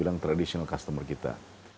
itu adalah tradisional customer kita